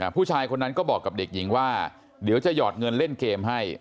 ผู้ชายคนนั้นก็บอกกับเด็กหญิงว่าเดี๋ยวจะหยอดเงินเล่นเกมให้